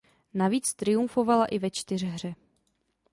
Navíc triumfovala i ve čtyřhře.